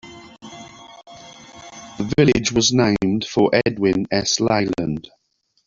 The village was named for Edwin S. Leland.